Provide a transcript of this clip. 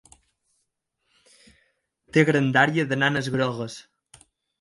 Té grandària de nanes grogues.